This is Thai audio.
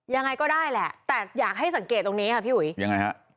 ยังไงก็ได้แหละแต่อยากให้สังเกตตรงนี้ค่ะพี่อุ๋ยยังไงฮะ